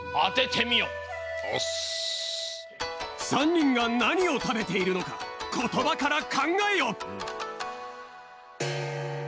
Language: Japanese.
３にんがなにをたべているのかことばからかんがえよ！